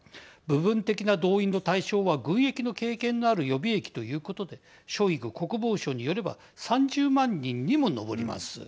部分的な動員の対象は軍役の経験のある予備役ということでショイグ国防相によれば３０万人にも上ります。